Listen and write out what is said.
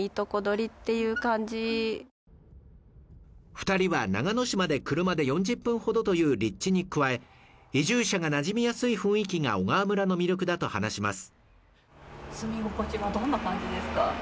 ２人は長野市まで車で４０分ほどという立地に加え、移住者が馴染みやすい雰囲気が小川村の魅力だと話します。